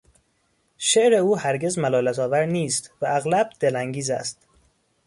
شعر او هرگز ملالت آور نیست و اغلب دلانگیز است.